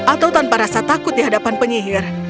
atau tanpa rasa takut di hadapan penyihir